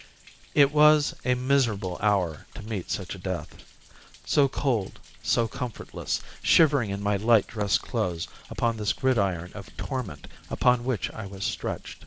It was a miserable hour to meet such a death so cold, so comfortless, shivering in my light dress clothes upon this gridiron of torment upon which I was stretched.